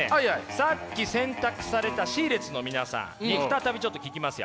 さっき選択されたＣ列の皆さんに再びちょっと聞きますよ。